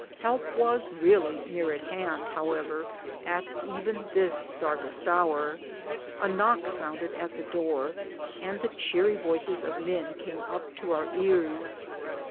Help was really near at hand, however, at even this darkest hour. A knock at the door, and the cheery voices of men came up to our ears.